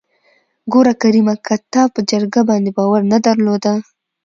ګوره کريمه که تا په جرګه باندې باور نه درلوده.